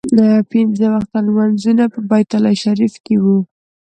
پنځه وخته لمونځونه په بیت الله شریف کې کوو.